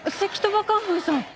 馬カンフーさん！